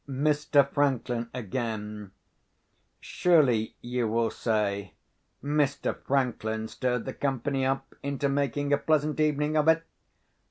Mr. Franklin again—surely, you will say, Mr. Franklin stirred the company up into making a pleasant evening of it?